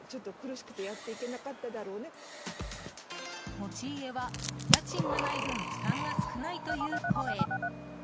持ち家は、家賃がない分負担が少ないという声。